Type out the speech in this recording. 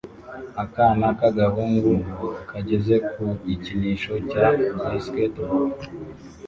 Akana k'agahungu kageze ku gikinisho cya basketball